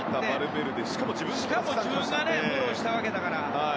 しかも自分がフォローしたわけだから。